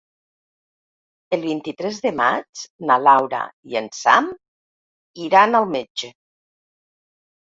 El vint-i-tres de maig na Laura i en Sam iran al metge.